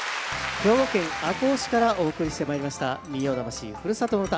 兵庫県赤穂市からお送りしてまいりました「民謡魂ふるさとの唄」。